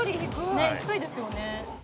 ねっ低いですよね